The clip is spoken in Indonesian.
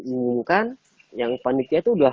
mengumumkan yang panitia itu